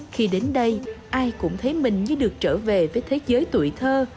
khi đến đây ai cũng thấy mình như được trở về với thế giới tuổi thơ